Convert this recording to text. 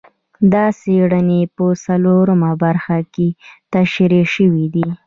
دا څېړنې په څلورمه برخه کې تشرېح شوي دي.